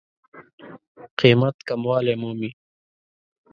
قېمت کموالی مومي.